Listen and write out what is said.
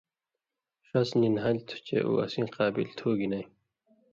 ݜس نی نھالیۡ تُھو چےۡ اُو اسیں قابل تُھو گی نَیں۔